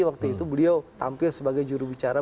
waktu itu beliau tampil sebagai jurubicara